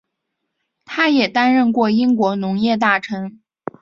他也担任过英国农业大臣。